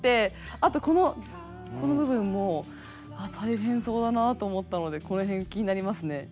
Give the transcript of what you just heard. あとこの部分も大変そうだなと思ったのでこの辺気になりますね。